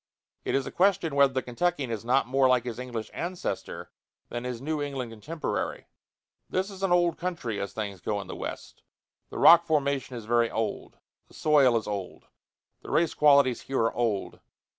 It is a question whether the Kentuckian is not more like his English ancestor than his New England contemporary. This is an old country, as things go in the West. The rock formation is very old; the soil is old; the race qualities here are old.